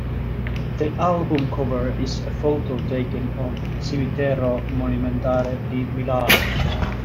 The album cover is a photo taken on Cimitero Monumentale di Milano.